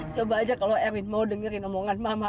coba aja kalau erwin mau dengerin omongan mama